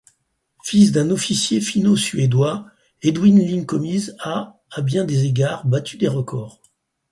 Fils d'un officier finno-suédois, Edwin Linkomies a, à bien des égards, battu des records.